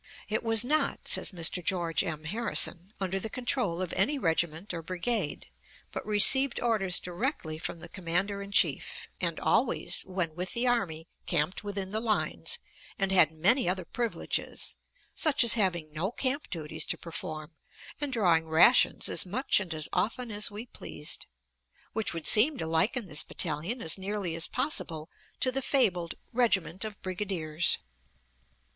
It was not, says Mr. George M. Harrison, "under the control of any regiment or brigade, but received orders directly from the Commander in Chief, and always, when with the army, camped within the lines, and had many other privileges, such as having no camp duties to perform and drawing rations as much and as often as we pleased," which would seem to liken this battalion as nearly as possible to the fabled "regiment of brigadiers."